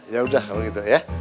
ya udah kalau gitu ya